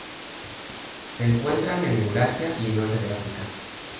Se encuentra en Eurasia y Norte de África.